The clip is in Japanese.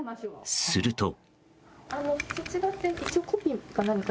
すると。